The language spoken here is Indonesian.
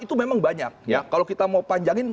itu memang banyak ya kalau kita mau panjangin